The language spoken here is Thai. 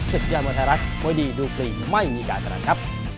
ศิษย์เยี่ยมวันไทยรัฐมวยดีดูฟรีไม่มีการสลัดครับ